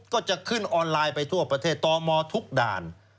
ก็จะขึ้นออนไลน์ไปทั่วประเทศตมทุกด่าน